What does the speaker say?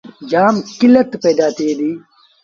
جآم ڪيٚلت پيدآ ٿئي ديٚ۔